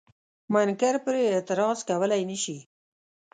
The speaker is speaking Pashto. منکر پرې اعتراض کولای نشي.